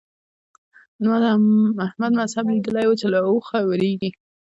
ما د احمد مذهب ليدلی وو چې له اوخه وېرېږي.